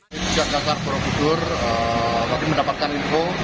petugas kasar borobudur tadi mendapatkan info